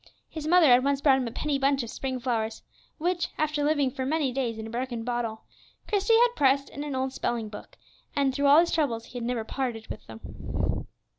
His mother had once bought him a penny bunch of spring flowers, which, after living for many days in a broken bottle, Christie had pressed in an old spelling book, and through all his troubles he had never parted with them.